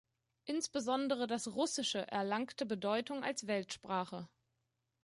Insbesondere das Russische erlangte Bedeutung als Weltsprache.